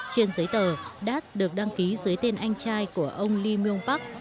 trên giấy tờ das được đăng ký dưới tên anh trai của ông lee myung park